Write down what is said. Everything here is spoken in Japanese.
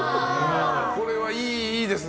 これはいいですね。